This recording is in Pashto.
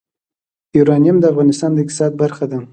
یورانیم د افغانستان د اقتصاد برخه ده.